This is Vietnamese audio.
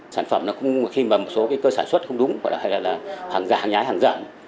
sản phẩm khi mà một số cơ sản xuất không đúng hoặc là hàng giả hàng nhái hàng dạng